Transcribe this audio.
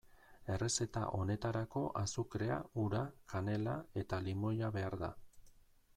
Errezeta honetarako azukrea, ura, kanela eta limoia behar da.